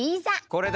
これだ！